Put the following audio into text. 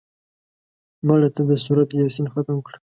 مړه ته د سورت یاسین ختم وکړه